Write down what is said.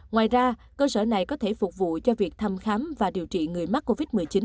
ngoài ra cơ sở này có thể phục vụ cho việc thăm khám và điều trị người mắc covid một mươi chín